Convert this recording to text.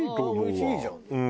おいしいじゃん。